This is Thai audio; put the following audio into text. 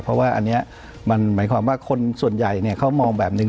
เพราะว่าอันนี้มันหมายความว่าคนส่วนใหญ่เขามองแบบนึง